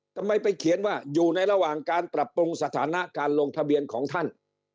ทำไมไปเขียนว่าอยู่ในระหว่างการปรับปรุงสถานะการลงทะเบียนของท่าน